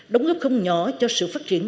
đóng góp không nhỏ cho sự phát triển